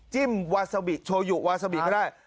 จิ้มวาซาบิโชยุวาซาบิก็ได้